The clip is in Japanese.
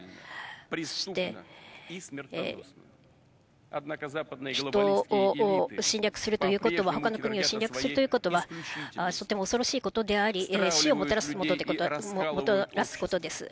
そして、人を侵略するということは、ほかの国を侵略するということは、とても恐ろしいことであり、死をもたらすことです。